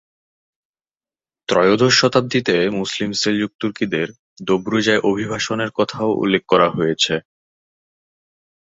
ত্রয়োদশ শতাব্দীতে মুসলিম সেলজুক তুর্কিদের দোব্রুজায় অভিবাসনের কথাও উল্লেখ করা হয়েছে।